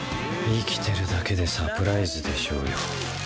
生きてるだけでサプライズでしょうよ。